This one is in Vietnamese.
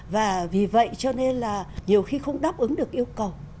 và vì vậy cho nên là nhiều khi không đáp ứng được yêu cầu